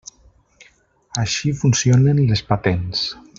Així funcionen les patents.